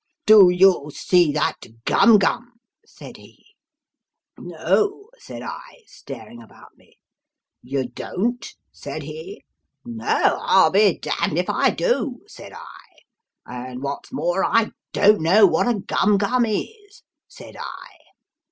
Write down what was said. ' Do you see that gum gum ?' said he. ' No,' said I, staring about me. ' You don't ?' said he. ' No, I'll be damned if I do,' said I ;' and what's more, I don't know what a gum gum is,' said I.